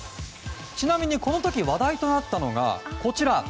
ちなみに、この時話題となったのがこちら。